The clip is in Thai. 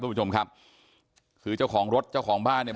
คุณผู้ชมครับคือเจ้าของรถเจ้าของบ้านเนี่ย